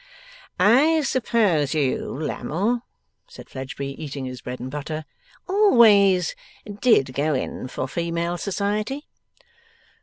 'I suppose you, Lammle,' said Fledgeby, eating his bread and butter, 'always did go in for female society?